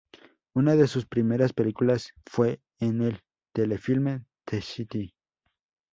Una de sus primeras películas fue en el telefilme, "The City".